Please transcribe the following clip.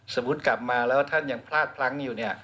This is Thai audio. สมมุติกลับมาแล้วท่านยังพลาดพลั้งอยู่เนี่ย